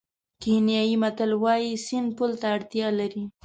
کینیايي متل وایي سیند پل ته اړتیا لري.